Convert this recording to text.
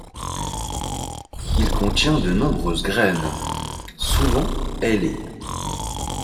Il contient de nombreuses graines, souvent ailées.